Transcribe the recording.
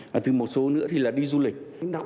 và từ một số nữa thì là đi du lịch